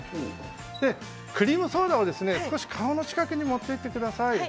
クリームソーダを少し顔の近くに持っていってください。